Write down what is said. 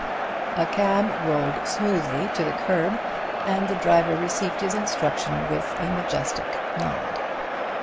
A cab rolled smoothly to the curb, and the driver received his instruction with a majestic nod.